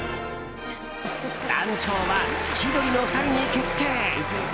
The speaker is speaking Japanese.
団長は千鳥の２人に決定。